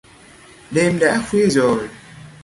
Đêm đã khuya rồi